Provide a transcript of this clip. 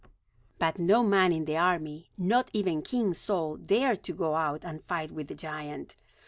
But no man in the army, not even King Saul, dared to go out and fight with the giant.